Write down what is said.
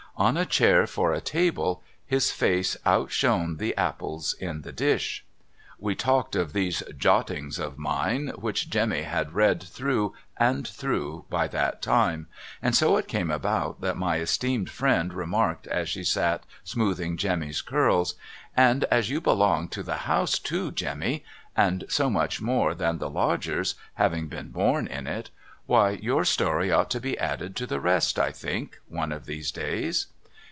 on a chair for a table, his face outshone the apples in the dish. We talked of these jottings of mine, which Jemmy had read through and through by that time ; and so it came about that my esteemed friend remarked, as she sat smoothing Jemmy's curls : 'And as you belong to the house too, Jemmy, — and so much more than the Lodgers, having been born in it, — why, your story ought to be added to the rest, I think, one of these days.'